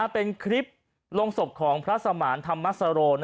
เป็นคลิปลงศพของพระสมานธรรมสโร